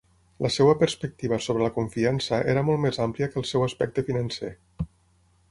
La seva perspectiva sobre la confiança era molt més àmplia que el seu aspecte financer.